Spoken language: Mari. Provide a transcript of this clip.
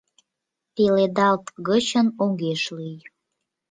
Пеледалт гычын огеш лий.